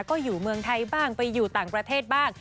ก็อยู่เมืองไทยบ้างไปอยู่ต่างประเทศบ้าง